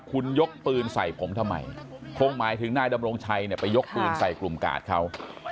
คุณยกปืนใส่ผมทำไมคงหมายถึงนายดำรงชัยเนี่ยไปยกปืนใส่กลุ่มกาดเขา